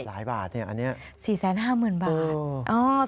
หลายบาทเนี่ยอันนี้๔๕๐๐๐บาท